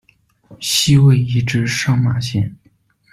西魏移治上马县。